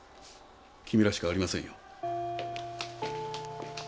君らしくありませんよ。